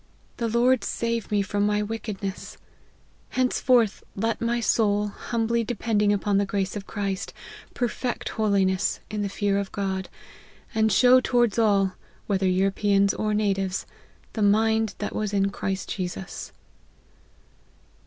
The Lord save me from my wicked ness ! Henceforth let my soul, humbly depending upon the grace of Christ, perfect holiness in the fear of God, and show towards all, whether Euro peans or natives, the mind that was in Christ Jesus."